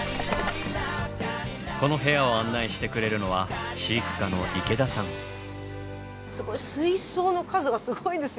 この部屋を案内してくれるのはすごい水槽の数がすごいですよね。